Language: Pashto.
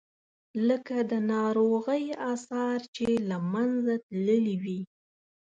لکه د ناروغۍ آثار چې له منځه تللي وي.